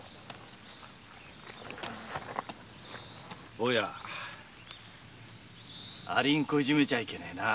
坊や蟻ん子をいじめちゃいけねえな。